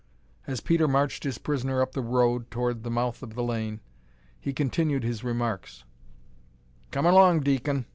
As Peter marched his prisoner up the road towards the mouth of the lane, he continued his remarks: "Come erlong, deacon.